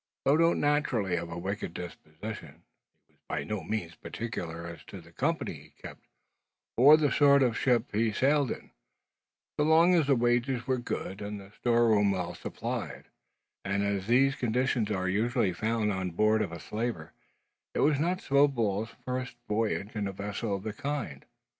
Though not naturally of a wicked disposition, he was by no means particular as to the company he kept, or the sort of ship he sailed in, so long as the wages were good and the store room well supplied; and as these conditions are usually found on board of a slaver, it was not Snowball's first voyage in a vessel of the kind.